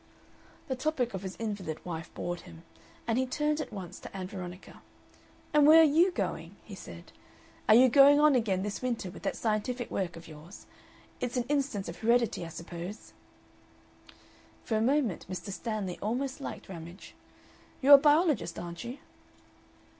The topic of his invalid wife bored him, and he turned at once to Ann Veronica. "And where are YOU going?" he said. "Are you going on again this winter with that scientific work of yours? It's an instance of heredity, I suppose." For a moment Mr. Stanley almost liked Ramage. "You're a biologist, aren't you?"